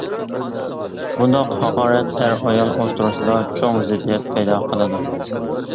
بۇنداق ھاقارەت ئەر-ئايال ئوتتۇرىسىدا چوڭ زىددىيەت پەيدا قىلىدۇ.